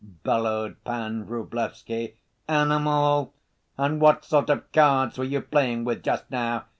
bellowed Pan Vrublevsky. "Animal? And what sort of cards were you playing with just now?